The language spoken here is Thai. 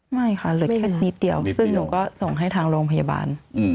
ไม่ค่ะเหลือแค่นิดเดียวซึ่งหนูก็ส่งให้ทางโรงพยาบาล